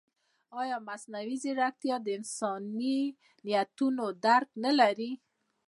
ایا مصنوعي ځیرکتیا د انساني نیتونو درک نه لري؟